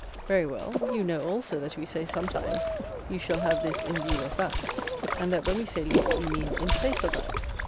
Very well. You know, also, that we say, sometimes, you shall have this in lieu of that; and that when we say lieu, we mean in place of that.